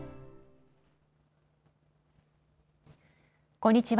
こんにちは。